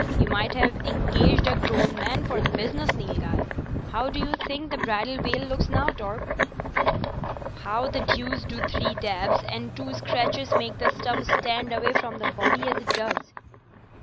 You might have engaged a grown man for the business, Nilghai. How do you think the bridal veil looks now, Torp?" "How the deuce do three dabs and two scratches make the stuff stand away from the body as it does?"